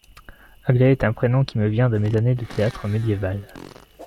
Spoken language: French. Aglaé est un prénom qui me vient de mes années de théâtre médiéval.